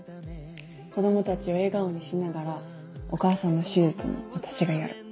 子供たちを笑顔にしながらお母さんの手術も私がやる。